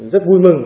rất vui mừng